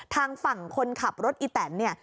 ทางฝั่งคนขับรถอีแตนเนี่ย